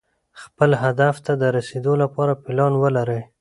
خپل هدف ته د رسېدو لپاره پلان ولرئ.